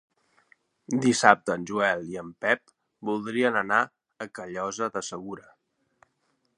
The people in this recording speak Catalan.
Dissabte en Joel i en Pep voldrien anar a Callosa de Segura.